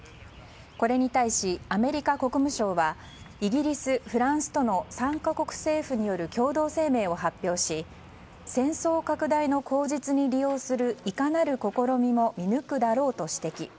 これに対し、アメリカ国務省はイギリス、フランスとの３か国政府による共同声明を発表し戦争拡大の口実に利用するいかなる試みも見抜くだろうと指摘。